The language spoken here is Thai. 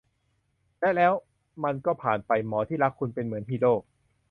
และแล้วมันก็ผ่านไป หมอที่รักคุณเป็นเหมือนฮีโร่